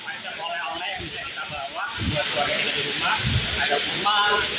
jadi sebelum menangkapi yang kita bisa cicipi dulu kalau datang kita harus mencicipi gratis